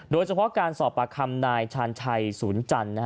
โดยเฉพาะการสอบปากคำนายชาญชัยศูนย์จันทร์